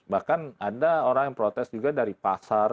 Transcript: bahkan ada orang yang protes juga dari pasar